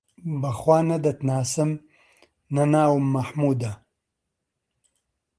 بەخوا نە دەتناسم، نە ناوم مەحموودە